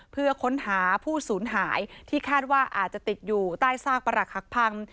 เพื่อค้นหาผู้สูญหายที่คาดว่าอาจจะติดอยู่ใต้ซากประหลักหักพัง